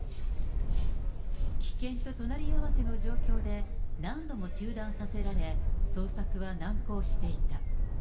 危険と隣り合わせの状況で、何度も中断させられ、捜索は難航していた。